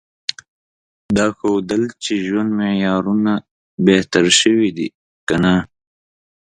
دا ښودل چې ژوند معیارونه بهتر شوي دي که نه؟